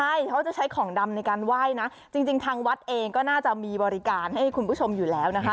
ใช่เขาจะใช้ของดำในการไหว้นะจริงทางวัดเองก็น่าจะมีบริการให้คุณผู้ชมอยู่แล้วนะคะ